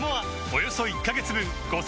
およそ１カ月分